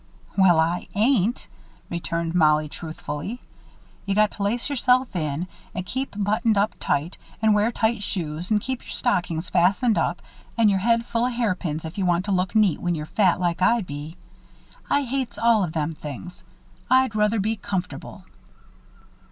"Well, I ain't," returned Mollie, truthfully. "You got to lace yourself in, an' keep buttoned up tight an' wear tight shoes an' keep your stockings fastened up an' your head full o' hairpins if you wants to look neat, when you're fat, like I be. I hates all of them things. I'd ruther be comfortable."